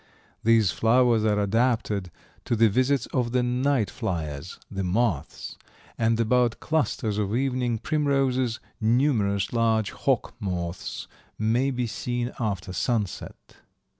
These flowers are adapted to the visits of the night fliers, the moths, and about clusters of evening primroses numerous large hawk moths may be seen after sunset.